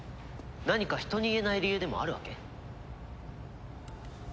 何か人に言えない理由でもあるわけ？